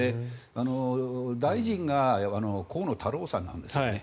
大臣が河野太郎さんなんですよね。